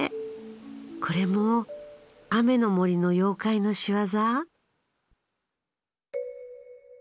これも雨の森の妖怪の仕業？